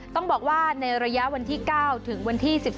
ต้องบอกว่าในระยะวันที่๙ถึงวันที่๑๒